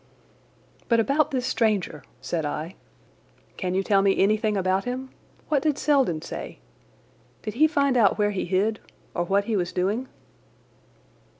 "But about this stranger," said I. "Can you tell me anything about him? What did Selden say? Did he find out where he hid, or what he was doing?"